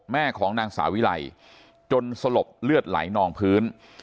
ของนางสาวิไลจนสลบเลือดไหลนองพื้น